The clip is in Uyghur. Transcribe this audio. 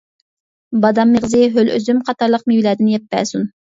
بادام مېغىزى، ھۆل ئۈزۈم قاتارلىق مېۋىلەردىن يەپ بەرسۇن!